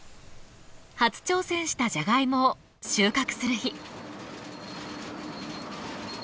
初挑戦したジャガイモを収穫する日。